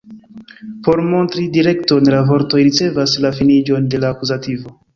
Por montri direkton, la vortoj ricevas la finiĝon de la akuzativo.